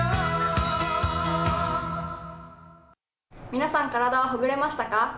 皆さん、体はほぐれましたか？